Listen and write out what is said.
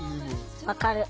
分かる。